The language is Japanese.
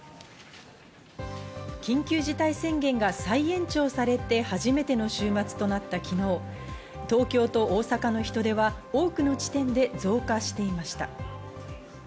緊急事態宣言が再延長されて初めての週末となった昨日、東京と大阪の人出は、多くの地点で増加していました。